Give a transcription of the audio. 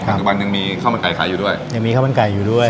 ปัจจุบันยังมีข้าวมันไก่ขายอยู่ด้วยยังมีข้าวมันไก่อยู่ด้วย